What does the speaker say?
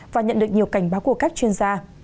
và nhận được nhiều cảnh báo của các chuyên gia